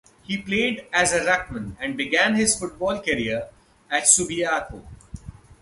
He played as a ruckman and began his football career at Subiaco.